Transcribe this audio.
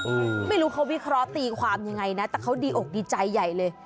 ไม่รู้เขาวิเคราะห์ตีความยังไงนะแต่เขาดีอกดีใจใหญ่เลย